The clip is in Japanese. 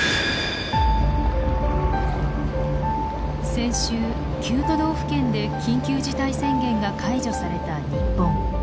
先週９都道府県で緊急事態宣言が解除された日本。